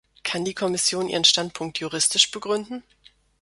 Kann die Kommission ihren Standpunkt juristisch begründen?